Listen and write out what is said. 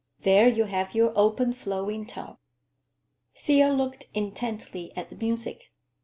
There you have your open, flowing tone." Thea looked intently at the music.